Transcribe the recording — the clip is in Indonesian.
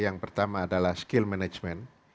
yang pertama adalah skill management